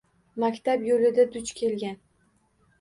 Maktab yo‘lida duch kelgan